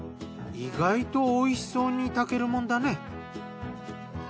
意外と美味しそうに炊けるもんだね。